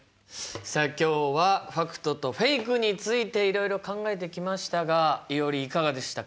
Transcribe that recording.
さあ今日はファクトとフェイクについていろいろ考えてきましたがいおりいかがでしたか？